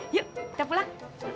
yuk kita pulang